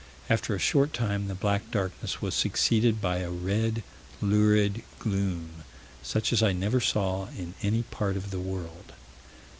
"After a short time the black darkness was succeeded by a red, lurid gloom, such as I never saw in any part of the world."